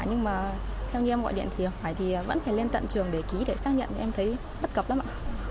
nhưng mà theo như em gọi điện thì hải thì vẫn phải lên tận trường để ký để xác nhận em thấy bất cập lắm ạ